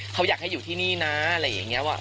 เขาอยากให้อยู่ที่นี่นะอะไรอย่างนี้ว่า